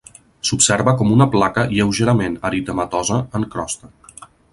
S'observa com una placa lleugerament eritematosa, en crosta.